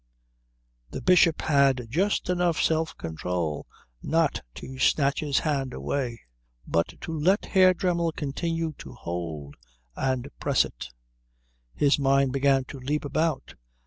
The Bishop had just enough self control not to snatch his hand away, but to let Herr Dremmel continue to hold and press it. His mind began to leap about.